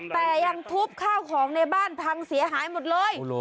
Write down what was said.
แต่ยังทุบข้าวของในบ้านพังเสียหายหมดเลย